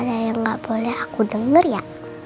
tapi gak boleh aku denger ya